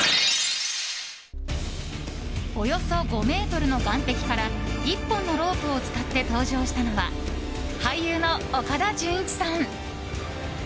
およそ５ｍの岩壁から１本のロープを伝って登場したのは俳優の岡田准一さん。